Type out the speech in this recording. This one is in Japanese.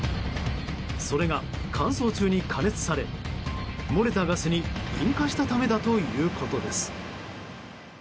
それが乾燥中に加熱され漏れたガスに引火したためだということです。